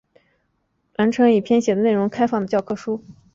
维基教科书中一部分书来自网路上已完成编写的内容开放的教科书。